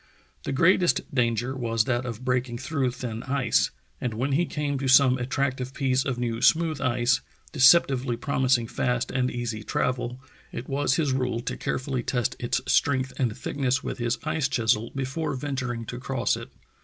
The greatest danger was that of breaking through thin ice, and when he came to some attractive piece of new smooth ice, deceptively promising fast and easy travel, it was his rule to care fully test its strength and thickness with his ice chisel before venturing to cross it.